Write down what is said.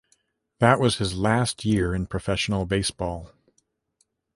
That was his last year in professional baseball.